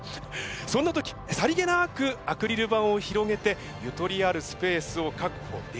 そんな時さりげなくアクリル板を広げてゆとりあるスペースを確保できるか？